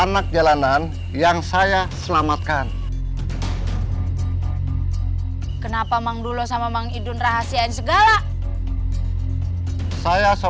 buka buka buka